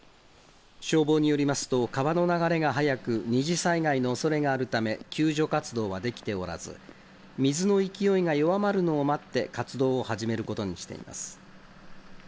消防によりますと、川の流れが速く、二次災害のおそれがあるため、救助活動はできておらず、水の勢いが弱まるのを待って、活動を始めることにしています。